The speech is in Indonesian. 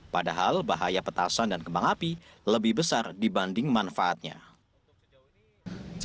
padahal bahaya petasan dan kembang api lebih besar dibanding manfaatnya